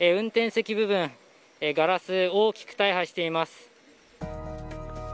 正面の運転席部分ガラスが大きく大破しています。